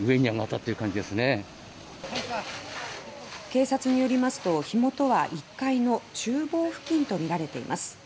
警察によりますと火元は１階の厨房付近とみられています。